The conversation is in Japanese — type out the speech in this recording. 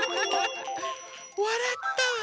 わらったわ！